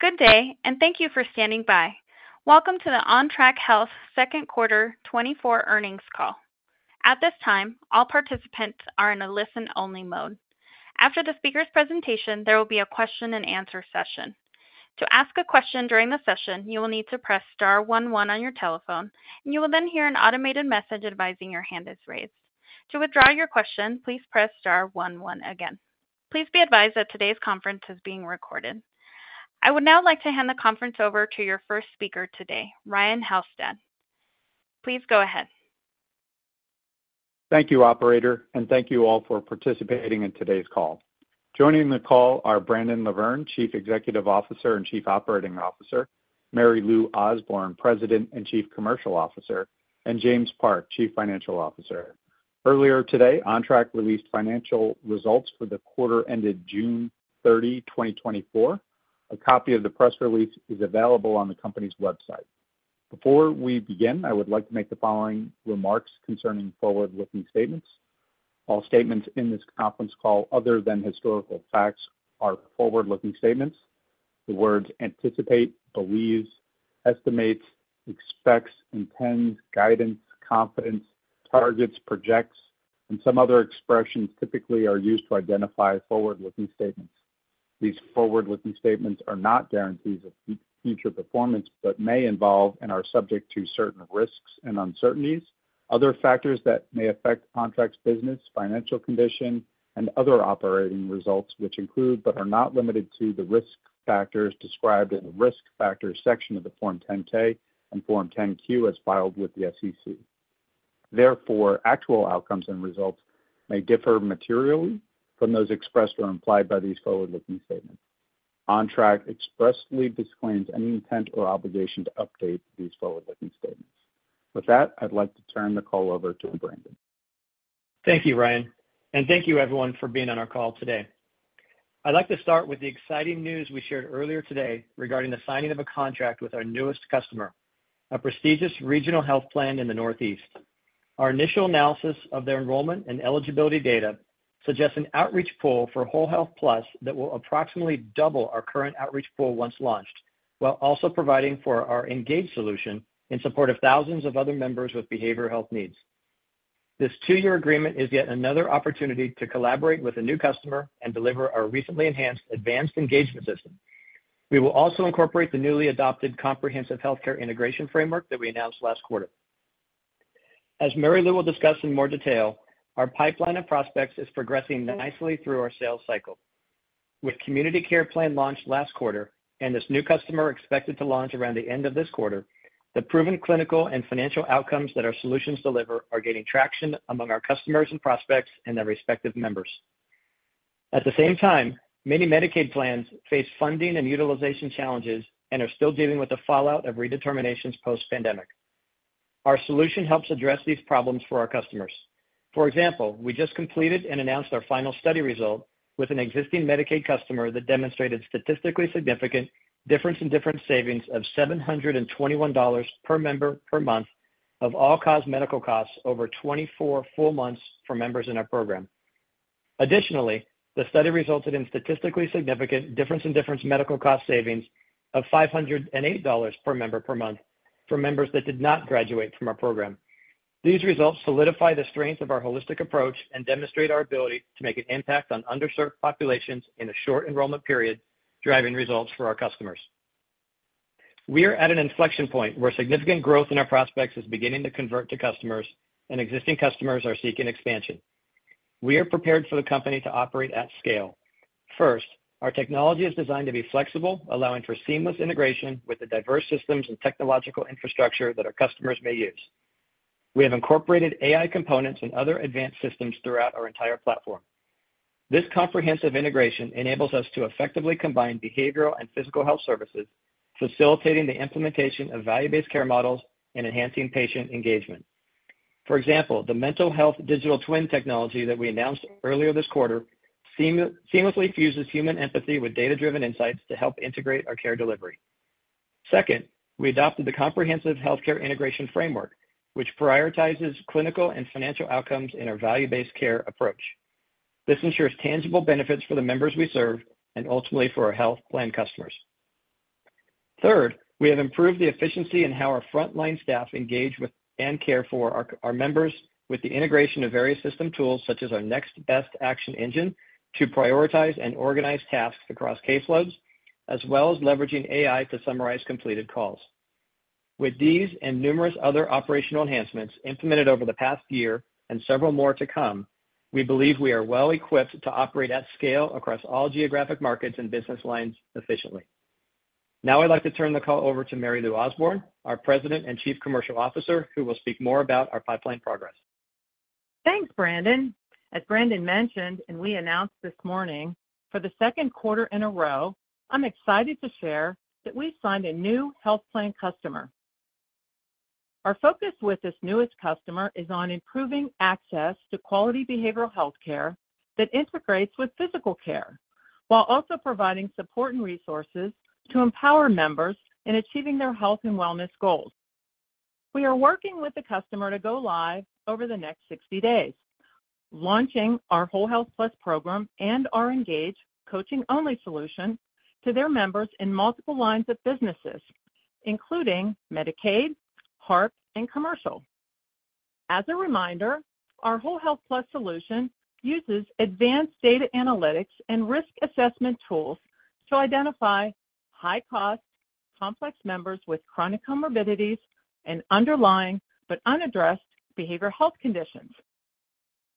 Good day, and thank you for standing by. Welcome to the Ontrak Health second quarter 2024 earnings call. At this time, all participants are in a listen-only mode. After the speaker's presentation, there will be a question-and-answer session. To ask a question during the session, you will need to press star one one on your telephone, and you will then hear an automated message advising your hand is raised. To withdraw your question, please press star one one again. Please be advised that today's conference is being recorded. I would now like to hand the conference over to your first speaker today, Ryan Halsted. Please go ahead. Thank you, operator, and thank you all for participating in today's call. Joining the call are Brandon LaVerne, Chief Executive Officer and Chief Operating Officer, Mary Lou Osborne, President and Chief Commercial Officer, and James Park, Chief Financial Officer. Earlier today, Ontrak released financial results for the quarter ended June 30, 2024. A copy of the press release is available on the company's website. Before we begin, I would like to make the following remarks concerning forward-looking statements. All statements in this conference call other than historical facts, are forward-looking statements. The words anticipate, believes, estimates, expects, intends, guidance, confidence, targets, projects, and some other expressions typically are used to identify forward-looking statements. These forward-looking statements are not guarantees of future performance, but may involve and are subject to certain risks and uncertainties, other factors that may affect Ontrak's business, financial condition, and other operating results, which include, but are not limited to, the risk factors described in the Risk Factors section of the Form 10-K and Form 10-Q as filed with the SEC. Therefore, actual outcomes and results may differ materially from those expressed or implied by these forward-looking statements. Ontrak expressly disclaims any intent or obligation to update these forward-looking statements. With that, I'd like to turn the call over to Brandon. Thank you, Ryan, and thank you everyone for being on our call today. I'd like to start with the exciting news we shared earlier today regarding the signing of a contract with our newest customer, a prestigious regional health plan in the Northeast. Our initial analysis of their enrollment and eligibility data suggests an outreach pool for WholeHealth+ that will approximately double our current outreach pool once launched, while also providing for our Engage solution in support of thousands of other members with behavioral health needs. This two-year agreement is yet another opportunity to collaborate with a new customer and deliver our recently enhanced Advanced Engagement System. We will also incorporate the newly adopted Comprehensive Healthcare Integration Framework that we announced last quarter. As Mary Lou will discuss in more detail, our pipeline of prospects is progressing nicely through our sales cycle. With Community Care Plan launched last quarter and this new customer expected to launch around the end of this quarter, the proven clinical and financial outcomes that our solutions deliver are gaining traction among our customers and prospects and their respective members. At the same time, many Medicaid plans face funding and utilization challenges and are still dealing with the fallout of redeterminations post-pandemic. Our solution helps address these problems for our customers. For example, we just completed and announced our final study result with an existing Medicaid customer that demonstrated statistically significant difference-in-differences savings of $721 per member per month of all-cause medical costs over 24 full months for members in our program. Additionally, the study resulted in statistically significant difference-in-differences medical cost savings of $508 per member per month for members that did not graduate from our program. These results solidify the strengths of our holistic approach and demonstrate our ability to make an impact on underserved populations in a short enrollment period, driving results for our customers. We are at an inflection point where significant growth in our prospects is beginning to convert to customers, and existing customers are seeking expansion. We are prepared for the company to operate at scale. First, our technology is designed to be flexible, allowing for seamless integration with the diverse systems and technological infrastructure that our customers may use. We have incorporated AI components and other advanced systems throughout our entire platform. This comprehensive integration enables us to effectively combine behavioral and physical health services, facilitating the implementation of value-based care models and enhancing patient engagement. For example, the Mental Health Digital Twin technology that we announced earlier this quarter seamlessly fuses human empathy with data-driven insights to help integrate our care delivery. Second, we adopted the Comprehensive Healthcare Integration Framework, which prioritizes clinical and financial outcomes in our value-based care approach. This ensures tangible benefits for the members we serve and ultimately for our health plan customers. Third, we have improved the efficiency in how our frontline staff engage with and care for our members with the integration of various system tools, such as our Next-Best Action Engine, to prioritize and organize tasks across case loads, as well as leveraging AI to summarize completed calls. With these and numerous other operational enhancements implemented over the past year and several more to come, we believe we are well equipped to operate at scale across all geographic markets and business lines efficiently. Now, I'd like to turn the call over to Mary Lou Osborne, our President and Chief Commercial Officer, who will speak more about our pipeline progress. Thanks, Brandon. As Brandon mentioned, and we announced this morning, for the second quarter in a row, I'm excited to share that we've signed a new health plan customer. Our focus with this newest customer is on improving access to quality behavioral health care that integrates with physical care, while also providing support and resources to empower members in achieving their health and wellness goals. We are working with the customer to go live over the next 60 days, launching our WholeHealth+ program and our Engage coaching-only solution to their members in multiple lines of businesses, including Medicaid, HARP, and commercial. As a reminder, our WholeHealth+ solution uses advanced data analytics and risk assessment tools to identify high-cost, complex members with chronic comorbidities and underlying but unaddressed behavioral health conditions.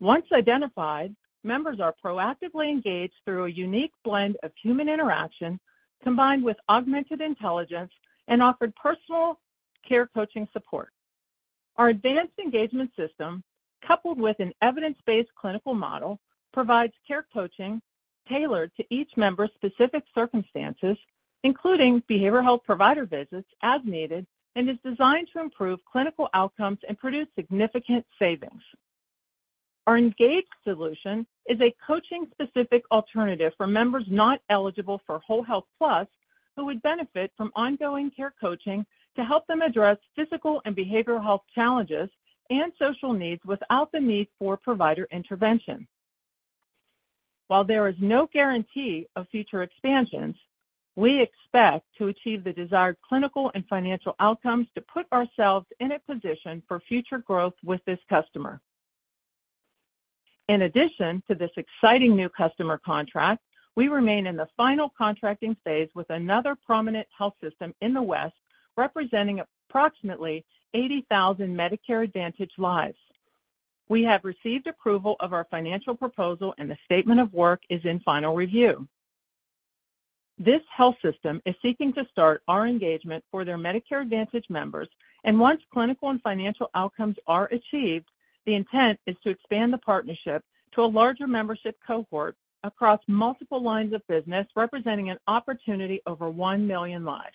Once identified, members are proactively engaged through a unique blend of human interaction, combined with augmented intelligence and offered personal care coaching support. Our Advanced Engagement System, coupled with an evidence-based clinical model, provides care coaching tailored to each member's specific circumstances, including behavioral health provider visits as needed, and is designed to improve clinical outcomes and produce significant savings. Our Engage solution is a coaching-specific alternative for members not eligible for WholeHealth+, who would benefit from ongoing care coaching to help them address physical and behavioral health challenges and social needs without the need for provider intervention. While there is no guarantee of future expansions, we expect to achieve the desired clinical and financial outcomes to put ourselves in a position for future growth with this customer. In addition to this exciting new customer contract, we remain in the final contracting phase with another prominent health system in the West, representing approximately 80,000 Medicare Advantage lives. We have received approval of our financial proposal, and the statement of work is in final review. This health system is seeking to start our engagement for their Medicare Advantage members, and once clinical and financial outcomes are achieved, the intent is to expand the partnership to a larger membership cohort across multiple lines of business, representing an opportunity over 1 million lives.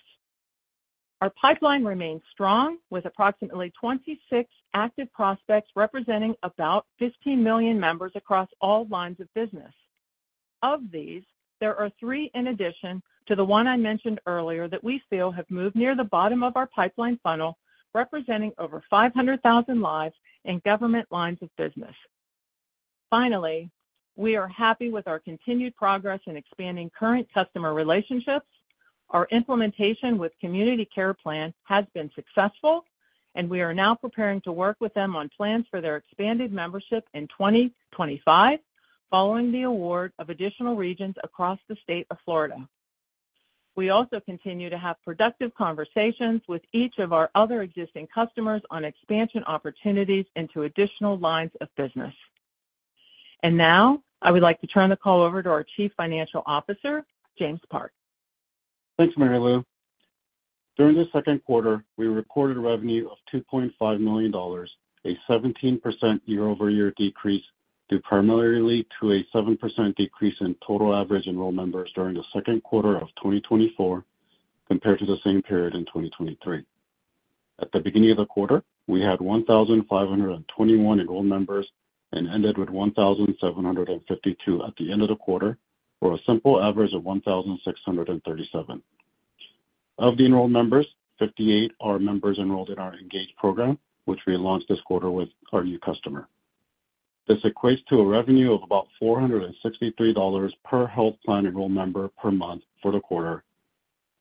Our pipeline remains strong, with approximately 26 active prospects, representing about 15 million members across all lines of business. Of these, there are three in addition to the one I mentioned earlier, that we feel have moved near the bottom of our pipeline funnel, representing over 500,000 lives in government lines of business. Finally, we are happy with our continued progress in expanding current customer relationships. Our implementation with Community Care Plan has been successful, and we are now preparing to work with them on plans for their expanded membership in 2025, following the award of additional regions across the state of Florida. We also continue to have productive conversations with each of our other existing customers on expansion opportunities into additional lines of business. And now, I would like to turn the call over to our Chief Financial Officer, James Park. Thanks, Mary Lou. During the second quarter, we reported revenue of $2.5 million, a 17% year-over-year decrease, due primarily to a 7% decrease in total average enrolled members during the second quarter of 2024, compared to the same period in 2023. At the beginning of the quarter, we had 1,521 enrolled members and ended with 1,752 at the end of the quarter, for a simple average of 1,637. Of the enrolled members, 58 are members enrolled in our Engage program, which we launched this quarter with our new customer. This equates to a revenue of about $463 per health plan enrolled member per month for the quarter,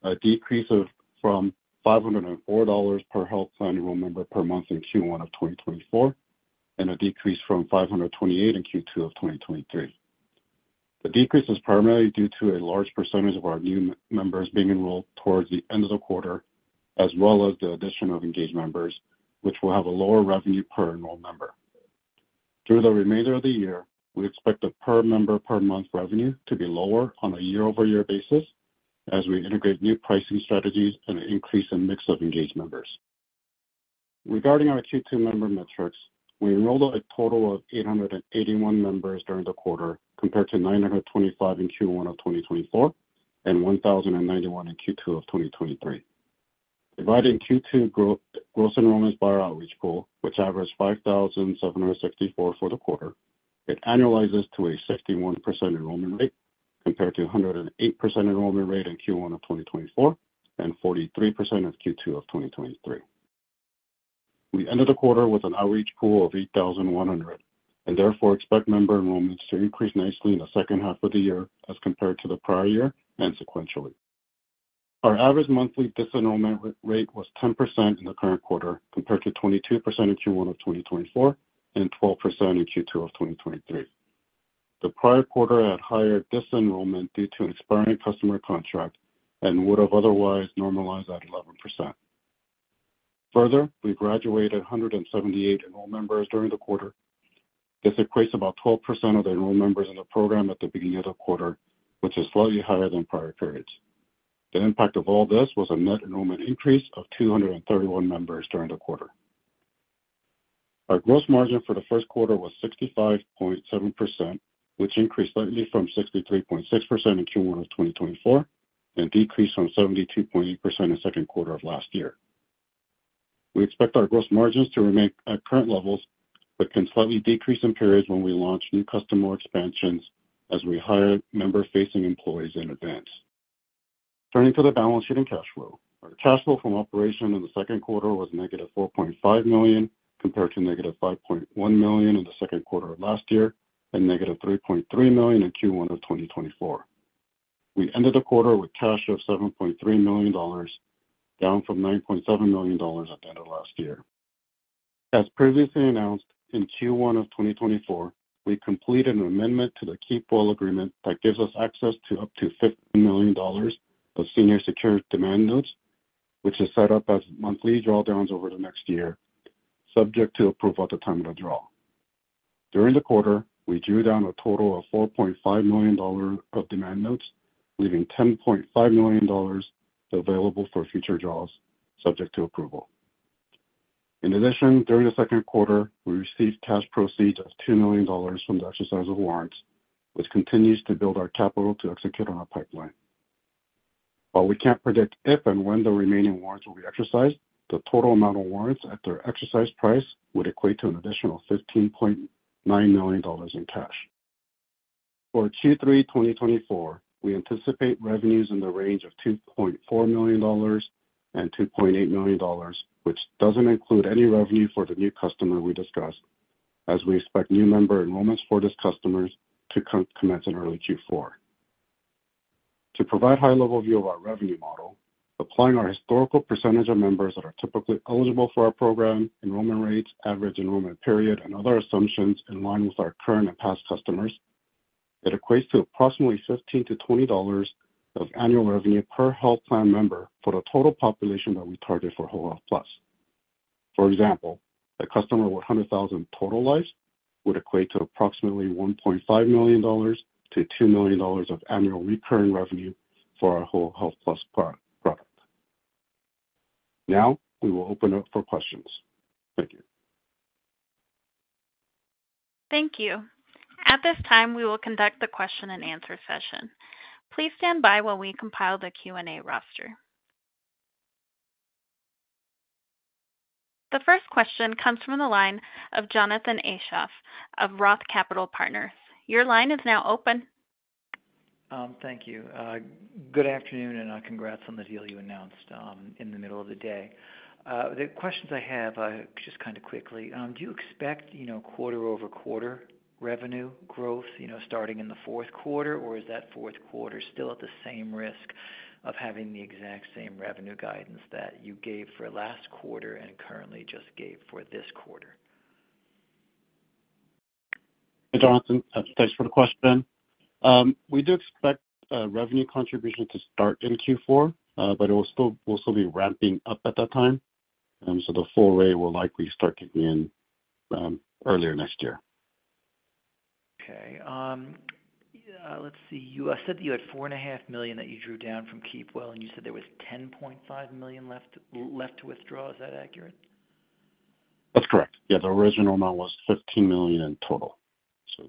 a decrease of, from $504 per health plan enrolled member per month in Q1 of 2024, and a decrease from $528 in Q2 of 2023. The decrease is primarily due to a large percentage of our new members being enrolled towards the end of the quarter, as well as the addition of engaged members, which will have a lower revenue per enrolled member. Through the remainder of the year, we expect the per member per month revenue to be lower on a year-over-year basis as we integrate new pricing strategies and an increase in mix of engaged members. Regarding our Q2 member metrics, we enrolled a total of 881 members during the quarter, compared to 925 in Q1 of 2024, and 1,091 in Q2 of 2023. Dividing Q2 gross enrollments by our outreach pool, which averaged 5,764 for the quarter, it annualizes to a 61% enrollment rate, compared to a 108% enrollment rate in Q1 of 2024, and 43% in Q2 of 2023. We ended the quarter with an outreach pool of 8,100, and therefore expect member enrollments to increase nicely in the second half of the year as compared to the prior year and sequentially. Our average monthly disenrollment rate was 10% in the current quarter, compared to 22% in Q1 of 2024 and 12% in Q2 of 2023. The prior quarter had higher disenrollment due to an expiring customer contract and would have otherwise normalized at 11%. Further, we graduated 178 enrolled members during the quarter. This equates about 12% of the enrolled members in the program at the beginning of the quarter, which is slightly higher than prior periods. The impact of all this was a net enrollment increase of 231 members during the quarter. Our gross margin for the first quarter was 65.7%, which increased slightly from 63.6% in Q1 of 2024, and decreased from 72.8% in second quarter of last year. We expect our gross margins to remain at current levels, but can slightly decrease in periods when we launch new customer expansions as we hire member-facing employees in advance. Turning to the balance sheet and cash flow. Our cash flow from operations in the second quarter was negative $4.5 million, compared to negative $5.1 million in the second quarter of last year, and negative $3.3 million in Q1 of 2024. We ended the quarter with cash of $7.3 million, down from $9.7 million at the end of last year. As previously announced, in Q1 of 2024, we completed an amendment to the Keep Well agreement that gives us access to up to $50 million of senior secured demand notes, which is set up as monthly drawdowns over the next year, subject to approval at the time of the draw. During the quarter, we drew down a total of $4.5 million of demand notes, leaving $10.5 million available for future draws, subject to approval. In addition, during the second quarter, we received cash proceeds of $2 million from the exercise of warrants, which continues to build our capital to execute on our pipeline. While we can't predict if and when the remaining warrants will be exercised, the total amount of warrants at their exercise price would equate to an additional $15.9 million in cash. For Q3 2024, we anticipate revenues in the range of $2.4 million-$2.8 million, which doesn't include any revenue for the new customer we discussed, as we expect new member enrollments for this customer to commence in early Q4. To provide high-level view of our revenue model, applying our historical percentage of members that are typically eligible for our program, enrollment rates, average enrollment period, and other assumptions in line with our current and past customers, it equates to approximately $15-$20 of annual revenue per health plan member for the total population that we target for WholeHealth+. For example, a customer with 100,000 total lives would equate to approximately $1.5 million-$2 million of annual recurring revenue for our WholeHealth+ product. Now, we will open up for questions. Thank you. Thank you. At this time, we will conduct the question-and-answer session. Please stand by while we compile the Q&A roster. The first question comes from the line of Jonathan Aschoff of Roth Capital Partners. Your line is now open. Thank you. Good afternoon, and congrats on the deal you announced in the middle of the day. The questions I have just kind of quickly, do you expect, you know, quarter-over-quarter revenue growth, you know, starting in the fourth quarter? Or is that fourth quarter still at the same risk of having the exact same revenue guidance that you gave for last quarter and currently just gave for this quarter? Hey, Jonathan, thanks for the question. We do expect revenue contribution to start in Q4, but it will still, will still be ramping up at that time. So the full rate will likely start kicking in earlier next year. Okay. Yeah, let's see. You said that you had $4.5 million that you drew down from Keep Well, and you said there was $10.5 million left to withdraw. Is that accurate? That's correct. Yeah, the original amount was $15 million in total, so.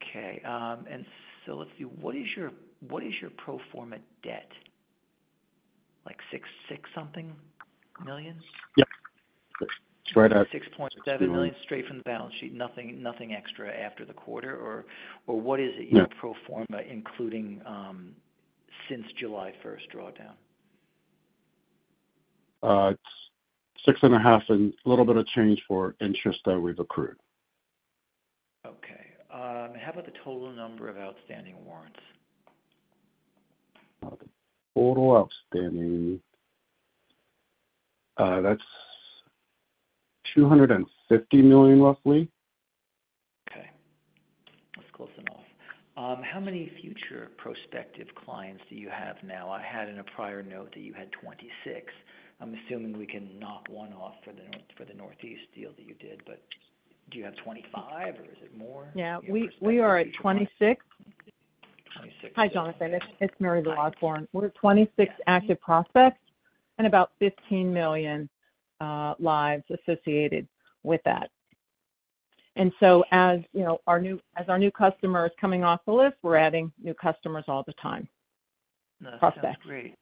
Okay, and so let's see. What is your, what is your pro forma debt? Like $66-something million? Yeah. Right at- $6.7 million straight from the balance sheet, nothing, nothing extra after the quarter, or, or what is it- Yeah - pro forma, including, since July first drawdown? It's $6.5 and a little bit of change for interest that we've accrued. Okay. How about the total number of outstanding warrants? The total outstanding, that's $250 million, roughly. Okay. That's close enough. How many future prospective clients do you have now? I had in a prior note that you had 26. I'm assuming we can knock one off for the Northeast deal that you did, but do you have 25, or is it more? Yeah, we are at 26. 26. Hi, Jonathan. It's Mary Lou Osborne. Hi. We're at 26 active prospects and about 15 million lives associated with that. And so, as you know, our new customer is coming off the list, we're adding new customers all the time. Prospects. That's great.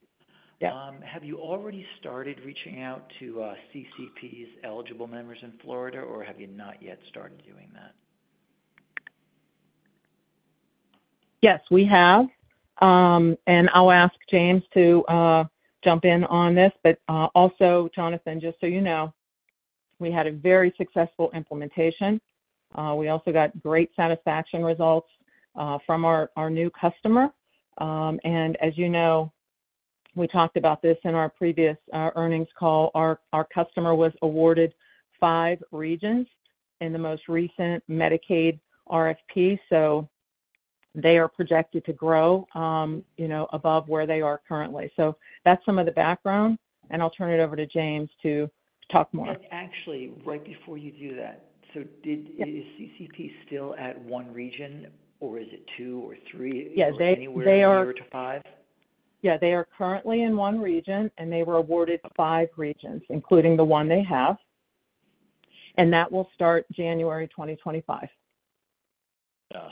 Yeah. Have you already started reaching out to CCP's eligible members in Florida, or have you not yet started doing that? Yes, we have. I'll ask James to jump in on this, but also, Jonathan, just so you know, we had a very successful implementation. We also got great satisfaction results from our new customer. As you know, we talked about this in our previous earnings call. Our customer was awarded five regions in the most recent Medicaid RFP, so they are projected to grow, you know, above where they are currently. That's some of the background, and I'll turn it over to James to talk more. And actually, right before you do that, so did- Yeah. Is CCP still at one region, or is it two or three? Yeah, they are. Anywhere from zero to five? Yeah, they are currently in one region, and they were awarded five regions, including the one they have, and that will start January 2025.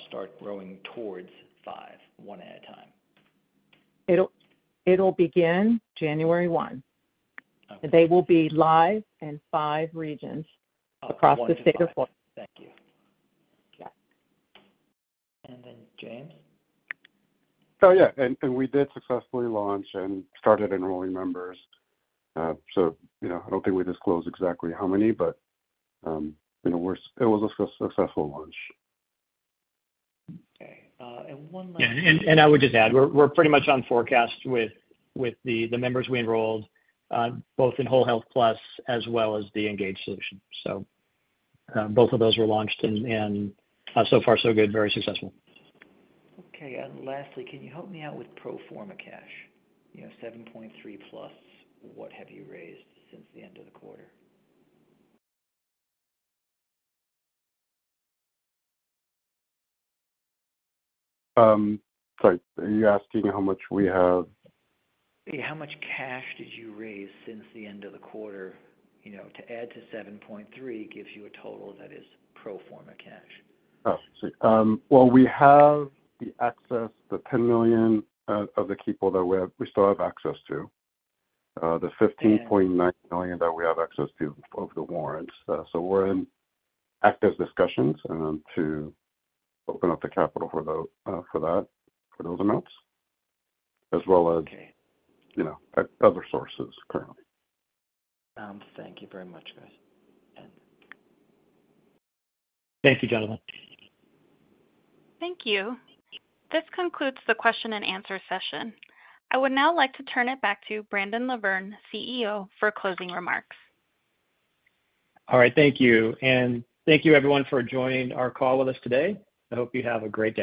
Start growing towards five, one at a time. It'll begin January one. Okay. They will be live in five regions across the state of Florida. Thank you. Okay. And then James? Oh, yeah, and we did successfully launch and started enrolling members. So, you know, I don't think we disclosed exactly how many, but, you know, it was a successful launch. Okay, and one last- Yeah, and I would just add, we're pretty much on forecast with the members we enrolled, both in WholeHealth+ as well as the Engage solution. So, both of those were launched and, so far so good, very successful. Okay. And lastly, can you help me out with pro forma cash? You know, $7.3+, what have you raised since the end of the quarter? Sorry, are you asking how much we have? How much cash did you raise since the end of the quarter? You know, to add to $7.3 gives you a total that is pro forma cash. Oh, I see. Well, we have the access, the 10 million of the people that we have—we still have access to the 15 point- Yeah... $9 million that we have access to of the warrants. So we're in active discussions to open up the capital for the, for that, for those amounts, as well as- Okay... you know, at other sources currently. Thank you very much, guys. Thank you, Jonathan. Thank you. This concludes the question and answer session. I would now like to turn it back to Brandon LaVerne, CEO, for closing remarks. All right. Thank you, and thank you everyone for joining our call with us today. I hope you have a great day.